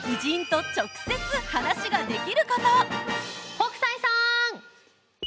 北斎さん！